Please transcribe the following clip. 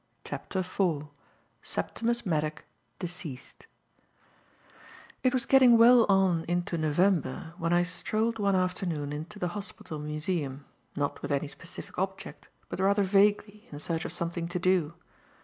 CHAPTER IV SEPTIMUS MADDOCK, DECEASED IT was getting well on into November when I strolled one afternoon into the hospital museum, not with any specific object but rather vaguely in search of something to do.